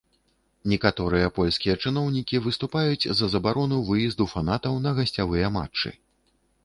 Некаторыя польскія чыноўнікі выступаюць за забарону выезду фанатаў на гасцявыя матчы.